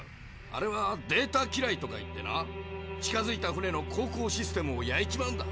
あれは「データ機雷」とかいってな近づいた船の航行システムを焼いちまうんだ。